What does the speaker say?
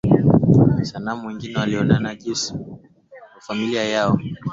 sanamu Wengine waliona jinsi familia yao ilivyouawa katika dhuluma za